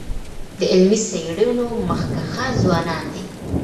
د علمي څيړنو مخکښان ځوانان دي.